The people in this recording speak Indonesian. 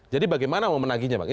jadi bagaimana menaginya